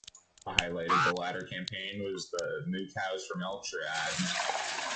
A highlight of the latter campaign was the "moo cows for Melcher" ad.